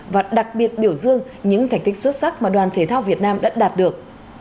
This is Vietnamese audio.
và đặc biệt biểu dương những thành tích xuất sắc mà đoàn thể thao việt nam đã đạt được